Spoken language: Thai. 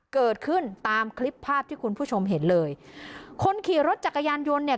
เกิดขึ้นตามคลิปภาพที่คุณผู้ชมเห็นเลยคนขี่รถจักรยานยนต์เนี่ย